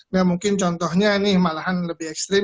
nah mungkin contohnya nih malahan lebih ekstrim